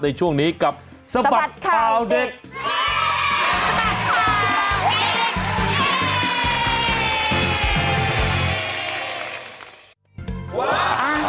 ในช่วงนี้กับสบัดข่าวเด็ก